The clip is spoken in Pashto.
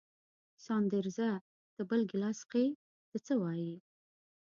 ساندرزه ته بل ګیلاس څښې، ته څه وایې؟